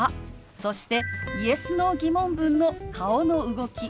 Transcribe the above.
そしてＹｅｓ／Ｎｏー疑問文の顔の動き